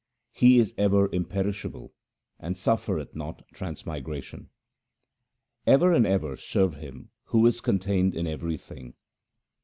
He is ever imperishable, and suffereth not transmigration. Ever and ever serve Him who is contained in everything.